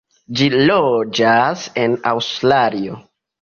Ĝi loĝas en Aŭstralio.